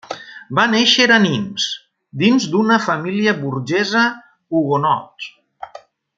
Va néixer a Nimes dins una família burgesa hugonot.